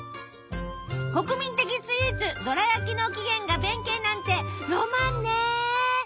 国民的スイーツどら焼きの起源が弁慶なんてロマンね！